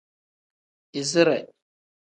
Izire.